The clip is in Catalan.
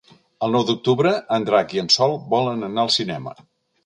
El nou d'octubre en Drac i en Sol volen anar al cinema.